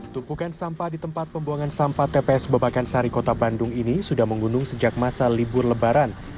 tumpukan sampah di tempat pembuangan sampah tps babakan sari kota bandung ini sudah menggunung sejak masa libur lebaran